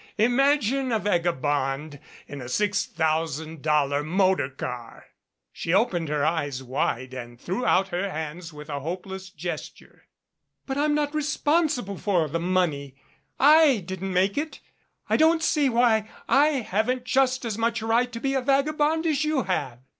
Imagine a vagabond in a six thousand dollar motor car !" She opened her eyes wide and threw out her hands with a hopeless gesture. "But I'm not responsible for the money. / didn't make it. I don't see why I haven't just as much right to be a vagabond as you have."